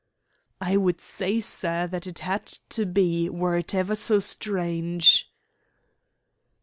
"I would say, sir, that it had to be, were it ever so strange."